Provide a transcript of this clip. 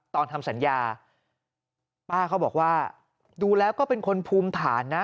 ทำสัญญาป้าเขาบอกว่าดูแล้วก็เป็นคนภูมิฐานนะ